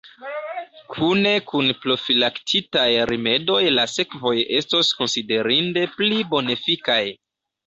Kune kun profilaktikaj rimedoj la sekvoj estos konsiderinde pli bonefikaj.